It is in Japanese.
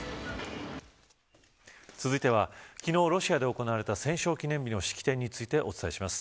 続いては、昨日ロシアで行われた戦勝記念日の式典についてお伝えします。